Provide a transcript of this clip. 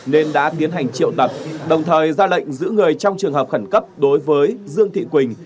nên đã tiến hành triệu tập đồng thời ra lệnh giữ người trong trường hợp khẩn cấp đối với dương thị quỳnh